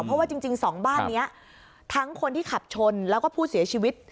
เพราะว่าจริงสองบ้านนี้ทั้งคนที่ขับชนแล้วก็ผู้เสียชีวิต